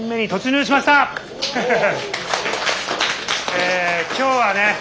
え今日はね